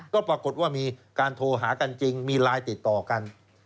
ก็ปรากฏว่ามีการโทรหากันจริงมีไลน์ติดต่อกัน